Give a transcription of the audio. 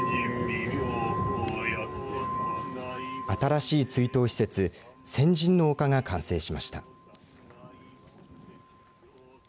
新しい追悼施設先人の丘が完成しました。